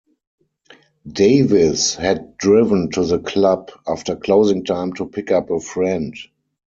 Davis had driven to the club after closing time to pick up a friend.